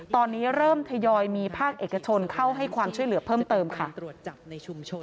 ตอนนี้เริ่มทยอยมีภาคเอกชนเข้าให้ความช่วยเหลือเพิ่มเติมค่ะ